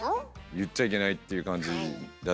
言っちゃいけないっていう感じだったんで。